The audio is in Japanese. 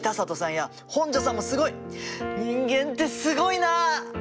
人間ってすごいな！